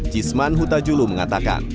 cisman huta julu mengatakan